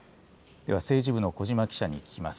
では政治部の小嶋記者に聞きます。